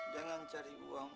jangan cari uang